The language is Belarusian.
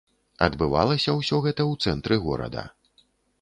Адбывалася ўсё гэта ў цэнтры горада.